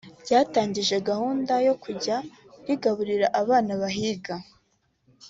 ryatangije gahunda yo kujya rigaburira abana bahiga